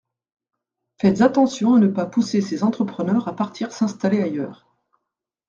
Faites attention à ne pas pousser ces entrepreneurs à partir s’installer ailleurs.